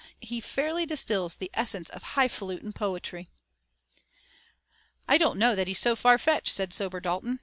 He fairly distills the essence of highfalutin poetry." "I don't know that he's so far fetched," said sober Dalton.